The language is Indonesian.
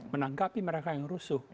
menangkapi mereka yang rusuh